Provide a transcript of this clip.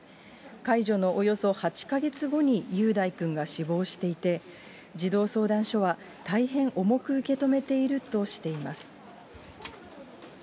解除のおよそ８か月後に雄大君が死亡していて、児童相談所は、大変重く受け止めているとしています。